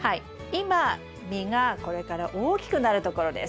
今実がこれから大きくなるところです。